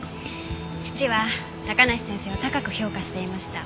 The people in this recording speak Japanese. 父は高梨先生を高く評価していました。